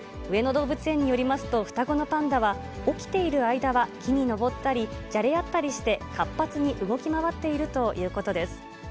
上野動物園によりますと、双子のパンダは、起きている間は、木に登ったり、じゃれ合ったりして、活発に動き回っているということです。